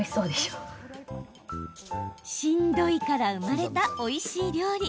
しんどいから生まれたおいしい料理。